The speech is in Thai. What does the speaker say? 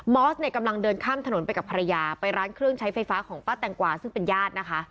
อสเนี่ยกำลังเดินข้ามถนนไปกับภรรยาไปร้านเครื่องใช้ไฟฟ้าของป้าแตงกวาซึ่งเป็นญาตินะคะ